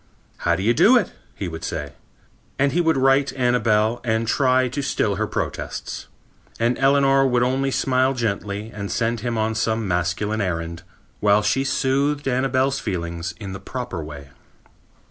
'How do you do it?' he would say. And he would right Annabel and try to still her protests. And Eleanor would only smile gently and send him on some masculine errand, while she soothed Annabel's feelings in the proper way."